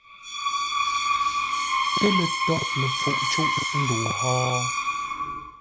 Pə́ lə tâghʼ ləpfuʼ cûʼ ndəu hó?